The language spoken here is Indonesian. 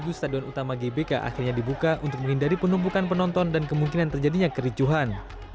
tujuh stadion utama gbk akhirnya dibuka untuk menghindari penumpukan penonton dan kemungkinan terjadinya kericuhan